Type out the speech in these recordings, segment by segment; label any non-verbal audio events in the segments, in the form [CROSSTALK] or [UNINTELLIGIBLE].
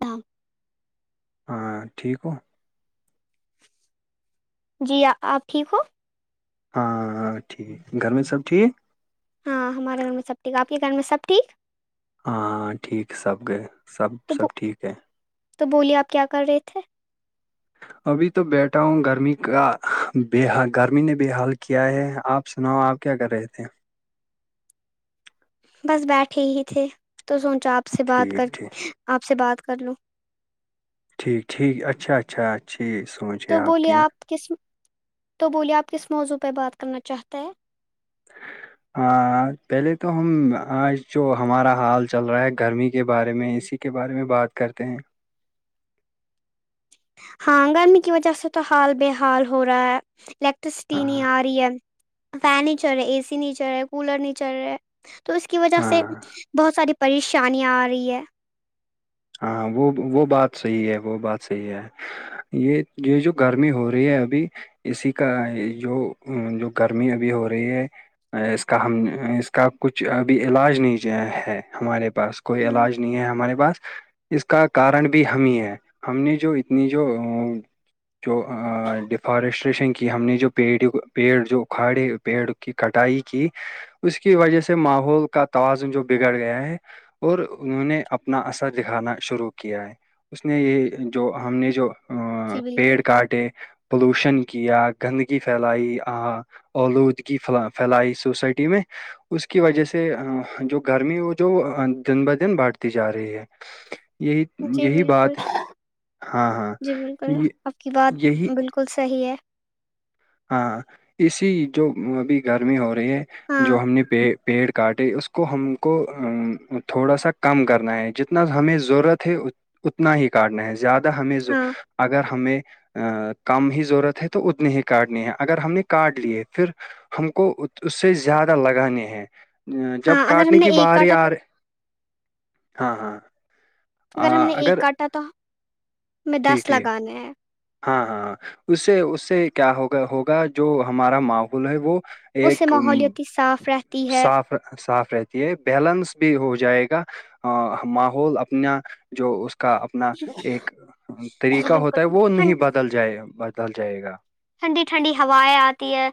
تم [INAUDIBLE] ہاں ٹھیک ہو جی آپ ٹھیک ہو ہاں ہاں ٹھیک گھر میں سب ٹھیک ہاں ہمارے گھر میں سب ٹھیک آپ کے گھر میں سب ٹھیک ہاں ٹھیک سب سب تو سب بو- ٹھیک ہے تو بولیے آپ کیا کر رہے تھے ابھی تو بیٹھا ہوں گرمی کا بے حال گرمی نے بے حال کیا ہے آپ سناؤ آپ کیا کر رہے تھے بس بیٹھے ہی تھے تو سوچا آپ سے بات کر ٹھیک ٹھیک آپ سے بات کر لو ٹھیک ٹھیک اچھا اچھا اچھا سوچ تو ہے بولیے کی آپ کس تو بولیے آپ کس موضوع پہ بات کرنا چاہتے ہیں ہ [INAUDIBLE] ہاں پہلے تو ہم آج جو ہمارا حال چل رہا ہے گرمی کے بارے میں اسی اسی کے بارے میں بات کرتے ہیں ہاں گرمی کی وجہ سے تو حال بے حال ہو رہا ہے تو الیکٹرسٹی نہیں ہاں آ رہی ہے فین نہیں چل رہا اے سی نہیں چل رہا کولر نہیں چل رہے تو اس کی وجہ سے ہاں بہت ساری پریشانیاں آ رہی ہے ہاں وہ وہ بات صحیح ہے وہ بات صحیح ہے یہ یہ جو گرمی ہو رہی ہے ابھی اسی کا جو جو گرمی ابھی ہو رہی ہے اس کا ہم اس کا کچھ ابھی علاج نہیں ہے ہمارے پاس کوئی ہاں علاج نہیں ہے ہمارے پاس اس کا کارن بھی ہم ہی ہے ہم نے جو اتنی جو جو ڈیفارسٹریشن کی ہم نے جو پیڑ پیڑ جو ا کھاڑے پیڑ کی کٹائی کی اس کی وجہ سے ماحول کا توازن جو بگڑ گیا ہے اور انہوں نے اپنا اثر دکھانا شروع کیا ہے اس نے یہ جو ہم نے جو جی بالکل پیڑ کاٹے پولوشن کیا گندگی پھیلائی الودگی پھیلائی سوسائٹی میں اس کی وجہ سے جو گرمی ہو جو دن بہ دن بڑھتی جا رہی ہے یہی جی یہی بالکل بات ہاں ہاں جی بالکل یہ آپ کی بات یہی بالکل صحیح ہے ہاں اسی جو ابھی گرمی ہو رہی ہے ہاں جو ہم نے پ پیڑ کاٹے اس کو ہم کو تھوڑا سا کم کرنا ہے جتنا ہمیں ضرورت ہے اتنا ہی کاٹنا ہے زیادہ ہاں اگر ہمیں کم ہی ضرورت ہے تو اتنی ہی کاٹنے اگر ہم نے کاٹ لیے پھر ہم کو اس سے زیادہ لگانے ہیں جب ہاں اگر ہم کاٹنے نے کی ایک باری کاٹا آ رہے ہاں ہاں اگر ہم نے ایک کاٹا تو ہمیں ٹھیک دس ٹھیک لگانے ہیں ہاں ہاں اس سے اس سے کیا ہوگا ہوگا جو ہمارا ماحول ہے وہ اس سے ایک ام، ماحولتی صاف رہتی ہے صاف صاف رہتی ہے بیلنس بھی ہو جائے گا ماحول اپنا جو اس کا اپنا ایک جی طریقہ بالکل ہوتا ہے وہ نہیں ٹھنڈ بدل جائے بدل جائے گا ٹھنڈی ٹھنڈی ہوائیں آتی ہے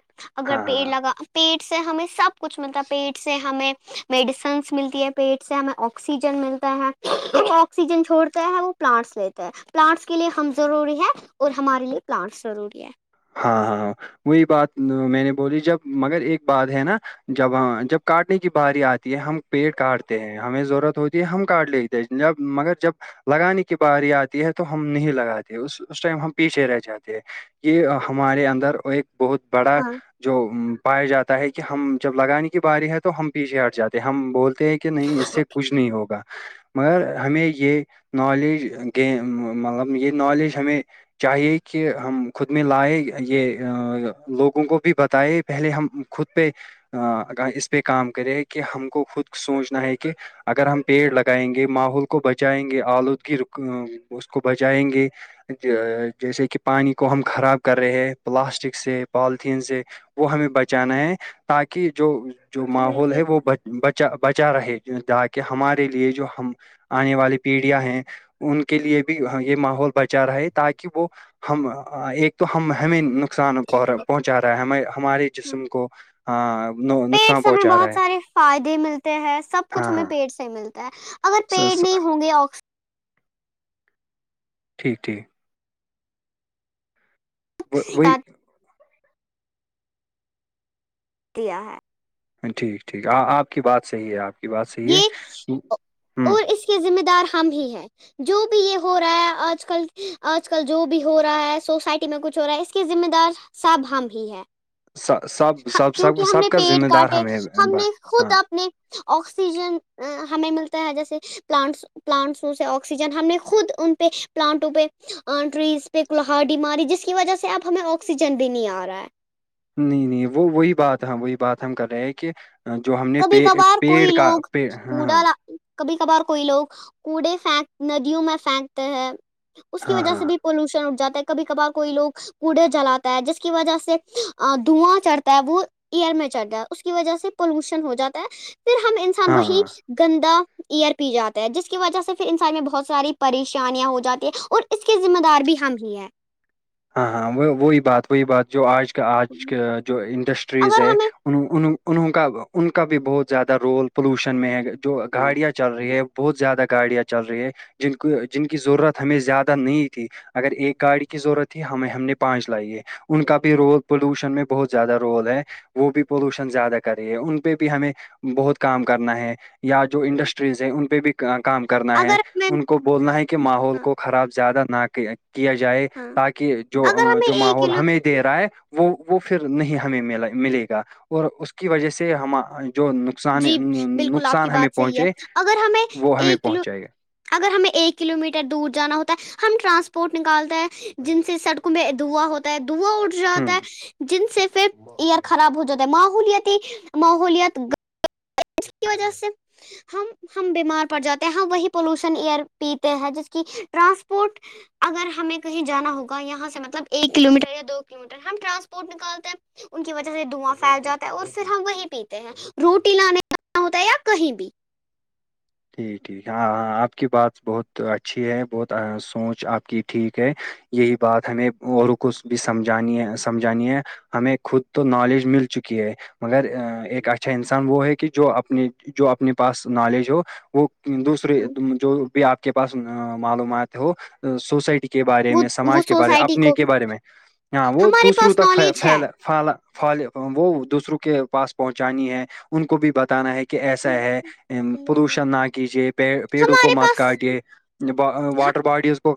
اگر ہاں پیڑ ہاں لگا پیڑ سے ہمیں سب کچھ ملتا ہے پیڑ سے ہمیں میڈیسنز ملتی ہے پیٹ سے ہمیں اکسیجن آکسیجن ملتا ہے جو آکسیجن چھڑتا ہے وہ پلانٹس لیتا ہے پلاانٹس کے لیے ہم ضروری ہے اور ہمارے لیے پلانٹس ضروری ہے ہاں ہاں وہی بات میں نے بولی جب مگر ایک بات ہے نا جب ہاں جب کاٹنے کی باری آتی ہے ہم پیٹ کاٹتے ہیں ہمیں ضرورت ہوتی ہے ہم کاٹ لیتے جب مگر جب لگانے کی باری آتی ہے تو ہم نہیں لگاتے اس اس ٹائم ہم پیچھے رہ جاتے ہیں یہ ہمارے اندر ایک بہت بڑا ہاں جو پایا جاتا ہے کہ ہم جب لگانے کی باری ہے تو ہم پیچھے ہٹ جاتے ہیں ہم بولتے ہیں کہ کہ نہیں اس سے کچھ نہیں ہوگا مگر ہمیں یہ نالیج گ مطلب یہ نالیج ہمیں چاہیے کہ ہم خود میں لائے یہ لوگوں کو بھی بتائے پہلے ہم خود پہ اس پہ کام کرے کہ ہم کو خود سوچنا ہے کہ اگر ہم پیڑ لگائیں گے ماحول کو بچائیں گے آلودگی اس کو بچائیں گے جیسے کہ پانی کو ہم خراب کر رہے ہیں پلاسٹک سے پالیتھیین سے وہ ہمیں بچانا ہے تاکہ جو جو جی ماحول بالکل ہے وہ بچا بچا رہے تاکہ ہمارے لیے جو ہم آنے والی پیڑیاں ہیں ان کے لیے بھی یہ ماحول بچا رہا تاکہ وہ ہم ایک تو ہم ہمیں نقصانہ پہنچا رہا ہے ہم ہمارے جسم کو ہاں نقصان پیڑس ہمیں پہنچا بہت رہا ہے سارے فائدے ملتے ہیں سب کچھ ہاں ہمیں پیڑس ملتا ہے اگر ہاں پیڑ نہیں ہوں گے آکسیی ٹھیک ٹھیک وہ وہی دیا ہے ٹھیک ٹھیک آپ کی بات صحیح ہے آپ کی بات صحیح ہے ہوں تو ذمہ دار ہم ہی ہیں جو بھی یہ ہو رہا ہے آج کل آج کل جو بھی ہو رہا ہے سوسائٹی میں کچھ ہو رہا ہے اس کے ذمہ دار سب ہم ہی ہیں سب سب کیونکہ سب ہم سب نے کا پیڑ ذمہ دار کاٹے ہمیں ہم نے خود ہاں اپنے آکسیجن ہمیں ملتا ہے جیسے پلانٹس پلانٹسوں سے آکسیجن ہم نے خود ان پہ پلانٹوں پہ ٹریز ک ہا ڈی ماری جس کی وجہ سے اپ ہمیں آکسیجن د نہیں آ رہا ہے نہیں نہیں وہ وہی بات ہم وہی بات ہم کر رہے ہیں کہ جو ہم نے کبھی کبھار پیڑ کوئی کا لوگ ہاں ہاں کوڑا کبھی کبھار کوئی لوگ کوڑے فھینک ندیوں میں پھینکتے ہیں اس کی ہاں وجہ سے بھی پولوشنٹ جا ہے کبھی کبھار کوئی لوگ کوڑے جلاتا ہے جس کی وجہ سے دھواں چڑھتا ہے وہ ایئر میں چڑھ جیا ہے اس کی وجہ سے پولوشن ہو جاتا ہے پھر ہم انسان ہاں وہی ہاں گندا ایئر پی جاتا ہے جس کی وجہ سے پھر انسان میں بہت ساری پریشانیاں ہو جاتی ہیں اور اس کی ذمہ دار بھی ہم ہی ہے ہاں ہاں وہ وہی بات وہی بات جو آج کا آج کا جو انڈسٹریز اگر ہے ہمیں ان انہوں کا ان کا بھی بہت زیادہ رول پولوشن میں ہے جو گاڑیاں چل رہی ہے بہت زیادہ گاڑیاں چل رہی ہیں جن کو جن کی ضرورت ہمیں زیادہ نہیں تھی اگر ایک گاڑی کی ضرورت ہمیں ہم نے پانچ لائی ہے ان کا بھی رول پولوشن میں بہت زیادہ رول ہے وہ بھی پولوشن زیادہ کری ہے ان پہ بھی ہمیں بہت کام کرنا ہے یا جو انڈسٹریز ہے ان پہ بھی کام کرنا ہے اگر ہمیں ان کو بولنا ہے کہ ماحول ہاں کو خراب زیادہ نہ کیا جائے ہاں تاکہ جو اگر ہمیں جو ایک ماحول کلو ہمیں دے رہا ہے وہ وہ پھر نہیں ہمیں م ملے گا اور اس کی وجہ سے ہم جو نقصان جی بالکل آپ کی نقصان ہمیں بات صحیح ہے پہنچے اگر ہمیں وہ ہمیں ایک کلو پہنچائے گا اگر ہمیں ایک کلو میٹر دور جانا ہوتا ہے ہم ٹرانسپورٹ نکالتا ہے جن سے سڑکوں پہ دا ہوتا ہے دوا اٹھ ہوں جاتا ہے جن سے پھر ایر خراب ہو جاتا ہے ماحولتی ماحولت جسکی وجہ سے ہم ہم بیمار پڑ جاتے ہیں ہم وہی پولوشن ایئر پیتے ہیں جس کی ٹرانسپورٹ اگر ہمیں کہیں جانا ہوگا یہاں سے مطلب ایک کلو میٹر یا دو کلو میٹر ہم ٹرانسپورٹ نکالتے ہیں ان کی وجہ سے دھواں پھیل جاتا ہے اور پھر ہم وہی پیتے ہیں روٹی لانے لا ہوتا ہے یا کہیں بھی ٹھیک ٹھیک ہاں ہاں آپ کی بات بہت اچھی ہے بہت سوچ آپ کی ٹھیک ہے یہی بات ہمیں اوروں کچھ بھی سمجھانی ہے سمجھانی ہے ہمیں خود تو نالج مل چکی ہے مگر ایک اچھا انسان وہ ہے کہ جو اپنے جو اپنے پاس نالج ہو وہ دوسرے جو بھی آپ کے پاس معلومات ہو سوسائٹی کے بارے وہ میں وہ سماج کے بارے میں سوسائٹی اپنے کو کے بارے میں ہاں وہ ہمارے دوسروں پاس تک نالج ہے پھیلا فالال وہ دوسروں کے پاس پہنچانی ہے ان کو بھی بتانا ہے کہ کہ ایسا ہے پردوشن نہ کیجے پیڑوں کو ہمارے مت پاس کاٹے واٹر باڈیز کو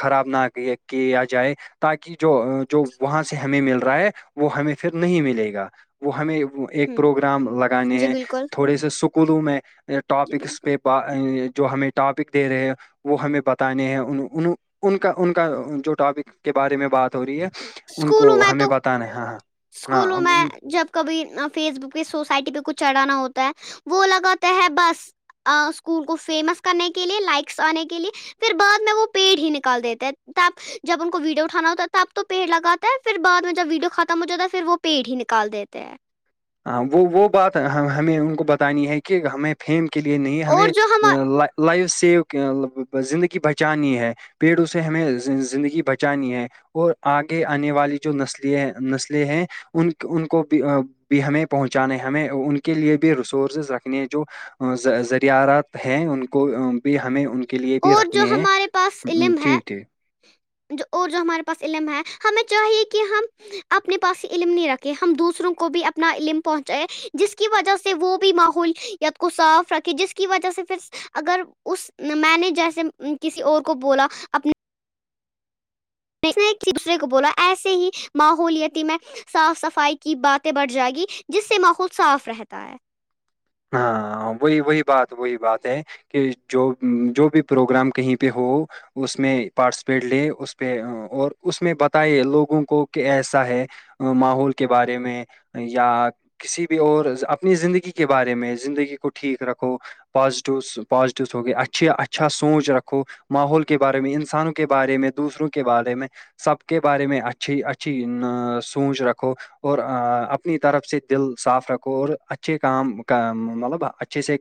خراب نہ کییا جائے تاکہ جو جو وہاں سے ہمیں مل رہا ہے وہ ہمیں پھر نہیں ملے گا وہ ہمیں ایک پروگرام لگانے جی ہیں بالکل تھوڑے سے اسکولوں میں جی ٹاپکس بالکل پہ جو ہمیں ٹاپک دے رہے وہ ہمیں بتانے ہیں ان کا ان کا جو ٹاپک کے بارے میں بات ہو رہی ہے ان کو اسکولوں میں ہمیں تو بتانا ہاں ہاں ہاں اسکولوں میں جب کبھی فیس بک پ سوسائٹی پہ کچھ چڑھانا ہوتا ہے وہ لگاتے ہے بس اسکول کو فیمس کرنے کے لیے لائکس آنے کے لیے پھر بعد میں وہ پیڑ ہی نکال دیتے تب جب ان کو ویڈیو اٹانا ہوتا ہے تب تو پیڑ لگاتا ہے پھر بع میں جب ویڈیو ختم ہو جاتا ہے پھر وہ پیٹ ہی نکال دیتے ہے ہ وہ وہ بات ہمیں ان کو بتانی ہے کہ ہمیں فیم کے لیے نہیں اور ہمیں جو ہم لائف سیو زندگی بچانی ہے پیڑوں سے ہمیں زندگی بچانی ہے اور آگے آنے والی جو نسلی نسلیں ہیں ان ان کو بھی بھی ہمیں پہنچانے ہمیں ان کے لیے بھی ریسورسز رکھنے ہیں جو ذریعارات ہیں ان کو بھی ہمیں ان کے لیے بھی اور جو رکھنے ہیں ہمارے پاس علم ہے ٹھیک ٹھیک [INAUDIBLE] جو اور جو ہمارے پاس علم ہے ہمیں چاہیے کہ ہم اپنے پاس ہی علم نہیں رکھے ہم دوسروں کو بھی اپنا علم پہنچائے جس کی وجہ سے وہ بھی ماحول یا کو صاف رکھے جس کی وجہ سے پھر اگر اس میں نے جیسے کسی اور کو بولا اپنے میں نے ایک دوسرے کو بولا ایسے ہی ماحولتی میں صاف صفائی کی باتیں بڑھ جائے گی جس سے ماحول صاف رہتا ہے ہاں وہی وہی بات وہی بات ہے کہ جو جو بھی پروگرام کہیں پہ ہو اس میں پارٹیسپیٹ لے اس پہ اور اس میں بتائے لوگوں کو کہ ایسا ہے ماحول کے بارے میں یا کسی بھی اور اپنی زندگی کے بارے میں زندگی کو ٹھیک رکھو پازیٹیو پازیٹیوس ہوگئے اچھی اچھا سوچ رکھو ماحول کے بارے میں انسانوں کے بارے میں دوسروں کے بارے میں سب کے بارے میں اچھی اچھی سوچ رکھو اور اپنی طرف سے دل صاف رکھو اور اچھے کام مطلب اچھے سے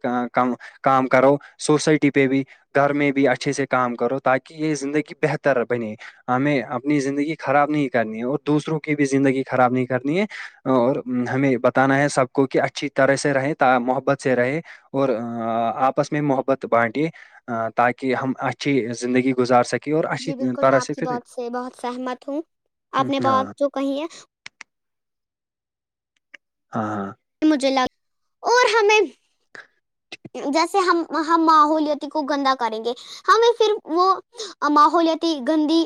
کام کرو سوسائٹی پہ بھی گھر میں بھی اچھے سے کام کرو تاکہ یہ زندگی بہتر بنے ہمیں اپنی زندگی خراب نہیں کرنی ہے اور دوسروں کی بھی زندگی خراب نہیں کرنی ہے اور ہمیں بتانا ہے سب کو کہ اچھی طرح سے رہے محبت سے رہے اور آپس میں محبت بانٹیے تاکہ ہم اچھی زندگی گزار سکیں اور اچھی جی بالکل میں طرح آپ سے کی پھر بات سے بہت سہمت ہوں آپ ہاں نے بات ہاں جو کہی ہے [UNINTELLIGIBLE] مجھے لگ اور ہمیں جیسے ہم ہم ماحولیاتی کو گندا کریں گے ہمیں پھر وہ ماحولیاتی گندی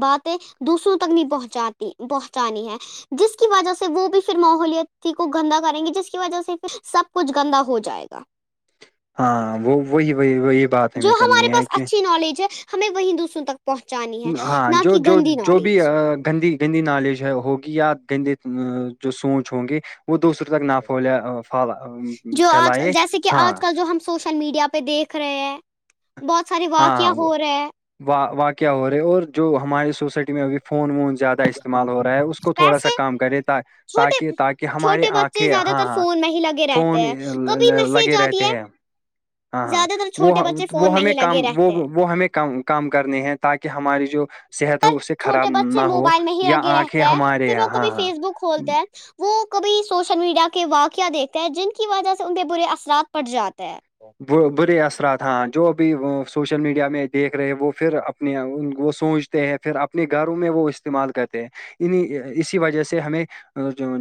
باتیں دوسروں تک نہیں پہنچاتی بہتانی ہے جس کی وجہ سے وہ بھی پھر ماحولتی کو گندا کریں گے جس کی وجہ سے سب کچھ گندا ہو جائے گا ہاں وہ وہی وہی وہی بات جو ہمیں ہمارے کرنی ہے پاس کہ اچھی نالج ہے ہمیں وہیں دوسروں تک پہنچانی ہے ہاں نہ جو کہ جو گندی جو بھی نالج گندی گندی نالج ہوگی یا گندے جو سوچ ہوں گے وہ دوسروں تک نہ پھول جو آج پھیلائے جیسے کہ ہاں آج کل جو ہم سوشل میڈیا پہ دیکھ رہے ہیں بہت سارے واقعہ ہو رہے ہیں و واقع ہو رہے اور جو ہماری سوسائٹی میں ا فون وون زیادہ استعمال ہو رہا ہے اس کو تھوڑا سا ویسے کام کرے تاکہ چھوٹے تاکہ ہماری چھوٹے آنکھ بچے کہ ہاں زیادہ تر ہاں فون میں ہی لگے رہتے فون ہیں کبھی میسج لگے آتی رہتے ہے ہیں ہاں ہاں زیادہ تر وہ چھوٹے بچے فون وہ میں ہمیں ہی لگے کم وہ رہتے ہیں وہ ہمیں کم کرنے ہیں تاکہ ہماری جو صحت ہو س اس سے خراب چھوٹے نہ بچے ہو موبائل میں ہی یا لگے آنکھیں رہتے ہیں ہمارے پھر وہ یہاں ہاں کبھی فیس بک ہاں کھولتے ہیں وہ کبھی سوشل میڈیا کے واقعہ دیکھتے ہیں جن کی وجہ سے ان پہ برے اثرات پڑ جاتے ہیں برے اثرات ہاں جو بھی وہ سوشل میڈیا میں دیکھ رہے وہ پھر اپنے وہ سوچ پھر اپنے گھروں میں وہ استعمال کرتے ہیں انیں اسی وجہ سے ہمیں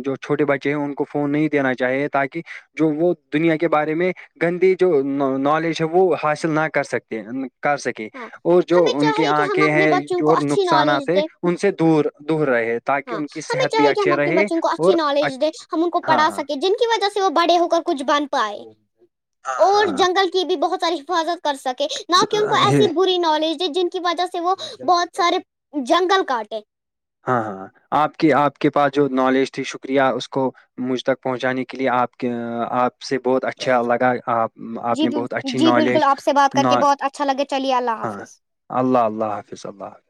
جو چھوٹے بچے ہیں ان کو فون نہیں دینا چاہیے تاکہ جو وہ دنیا کے بارے میں گندی جو نالج ہے وہ حاصل نہ کر سکتے کر سکے ہاں اور جو ہمیں ان کی چاہیے کہ ہم آنکھیں اپنے ہیں بچوں کو جو اچھی نالج نقصانات ہیں دیں ان سے دور دور رہے تاکہ ہاں ان کی ہمیں صحت بھی چاہے کہ ہم اچھے اپنے رہے بچوں کو اور اچھی نالج دیں ہم ان کو ہاں پڑھا ہاں سکیں جن کی وجہ سے وہ بڑے ہو کر کچھ بن پائے ہاں اور ہاں جنگل کی بھی بہت ساری حفاظت کر سکے نہ کہ ان کو ہاں ایسی بری نالج د جن کو وجہ سے وہ بہت سارے جنگل کاٹے ہاں ہاں آپ کے آپ کے پاس جو نالج تھی شکریہ اس کو مجھ تک پہنچانے کے لیے آپ کے آپ سے بہت اچھا لگا آ آپ جی نے بہت اچھی جی نالج بالکل آپ سے بات ن کر کے بہت اچھا لگے چلیے اللہ ہاں حافظ اللہ اللہ حافظ اللہ حافظ